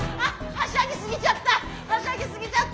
はしゃぎすぎちゃった。